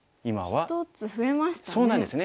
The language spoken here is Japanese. １つ増えましたね。